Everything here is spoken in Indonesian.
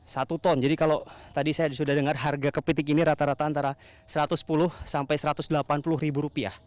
satu ton jadi kalau tadi saya sudah dengar harga kepiting ini rata rata antara rp satu ratus sepuluh sampai rp satu ratus delapan puluh